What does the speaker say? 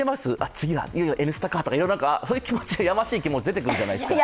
次はいよいよ「Ｎスタ」だとかそういうやましい気持ちとか出てくるじゃないですか。